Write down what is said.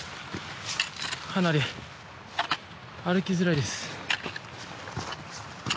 かなり歩きづらいです。